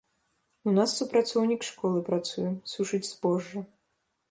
У нас супрацоўнік школы працуе, сушыць збожжа.